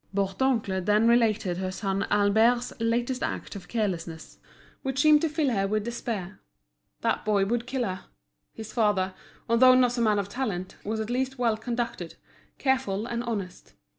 Bourdoncle then related her son Albert's latest act of carelessness, which seemed to fill her with despair. That boy would kill her; his father, although not a man of talent, was at least well conducted, careful, and honest.